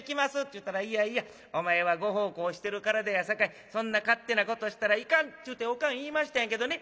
ちゅうたら『いやいやお前はご奉公してる体やさかいそんな勝手なことしたらいかん』ちゅうておかん言いましたんやけどね